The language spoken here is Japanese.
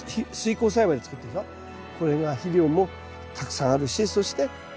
これが肥料もたくさんあるしそして温度も。